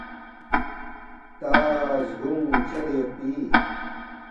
تا زگونگ چدے یودپی